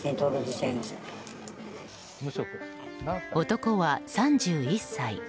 男は３１歳。